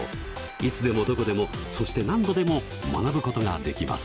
いつでもどこでもそして何度でも学ぶことができます。